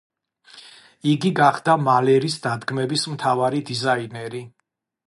იგი გახდა მალერის დადგმების მთავარი დიზაინერი.